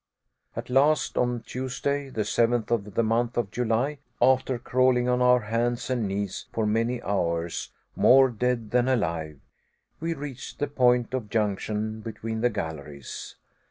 At last, on Tuesday, the seventh of the month of July, after crawling on our hands and knees for many hours, more dead than alive, we reached the point of junction between the galleries.